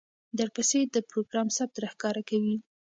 درپسې د پروګرام ثبت راښکاره کوي،